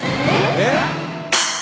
えっ！？